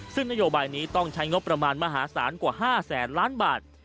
ซึ่งนโยบายนี้ต้องใช้งบประมาณมหาศาลกว่า๕แสนล้านบาท